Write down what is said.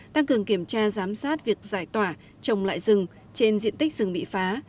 tăng cường kiểm tra giám sát việc giải tỏa trồng lại rừng trên diện tích rừng bị phá